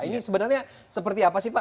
ini sebenarnya seperti apa sih pak